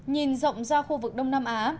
nhìn rộng ra khu vực đông nam á